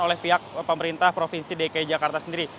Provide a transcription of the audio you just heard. oleh pihak pemerintah provinsi dki jakarta sendiri